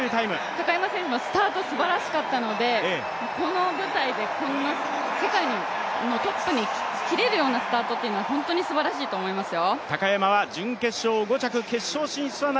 高山選手もスタートすばらしかったのでこの舞台で世界のトップに切れるようなスタートというのは本当にすばらしいと思いますよ。